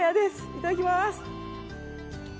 いただきます。